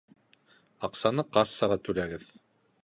Аҡсаны кассаға түләгеҙ.